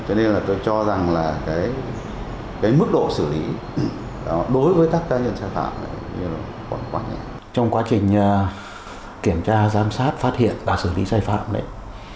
thế nên là tôi cho rằng là cái mức độ xử lý đối với các cá nhân xã phạm như là khoảng quá nhẹ